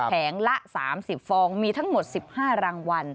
แงงละ๓๐ฟองมีทั้งหมด๑๕รางวัล